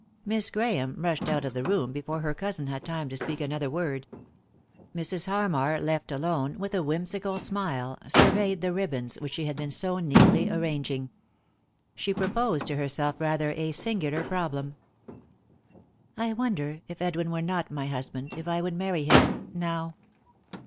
Miss Grahame rushed out of the room before her cousin had time to speak another word. Mrs. Harmar, left alone, with a whimsical smile, surveyed the ribbons which she had been so neatly arranging. She proposed to herself rather a singular problem. " I wonder, if Edwin were not my husband, if 1 would marry him— now